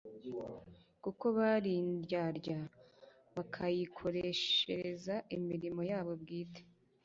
kuko bari indyarya bakayikoreshereza imirimo yabo bwite.